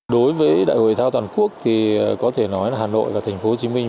đối với đại hội thể thao toàn quốc thì có thể nói là hà nội và thành phố hồ chí minh